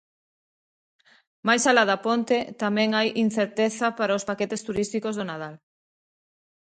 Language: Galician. Máis alá da ponte, tamén hai incerteza para os paquetes turísticos de Nadal.